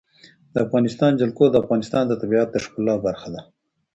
د افغانستان جلکو د افغانستان د طبیعت د ښکلا برخه ده.